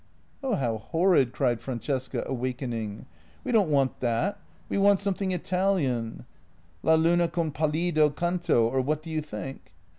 "Oh, how horrid," cried Francesca, awakening; "we don't want that, we want something Italian — la luna con palido canto, or what do you think?